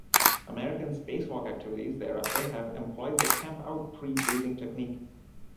American spacewalk activities thereafter have employed the "camp-out" pre-breathing technique.